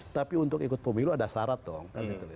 tapi untuk ikut pemilu ada syarat dong